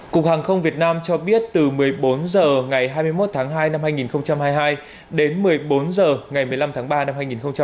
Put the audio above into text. cục hàng không việt nam cho biết từ một mươi bốn h ngày hai mươi một tháng hai năm hai nghìn hai mươi hai đến một mươi bốn h ngày một mươi năm tháng ba năm hai nghìn hai mươi